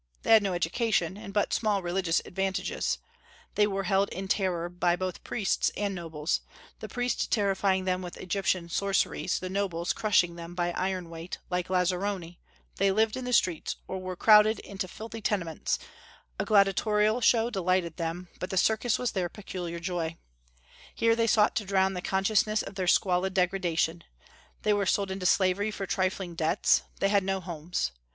They had no education, and but small religious advantages; they were held in terror by both priests and nobles, the priest terrifying them with Egyptian sorceries, the nobles crushing them by iron weight; like lazzaroni, they lived in the streets, or were crowded into filthy tenements; a gladiatorial show delighted them, but the circus was their peculiar joy, here they sought to drown the consciousness of their squalid degradation; they were sold into slavery for trifling debts; they had no homes.